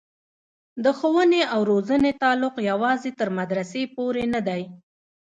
د ښوونې او روزنې تعلق یوازې تر مدرسې پورې نه دی.